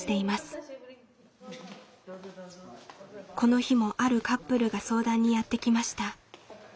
この日もあるカップルが相談にやって来ました。